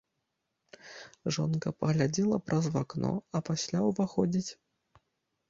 Жонка паглядзела праз акно, а пасля ўваходзіць.